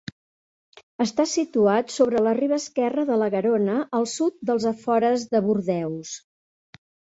Està situat sobre la riba esquerra de la Garona al sud dels afores de Bordeus.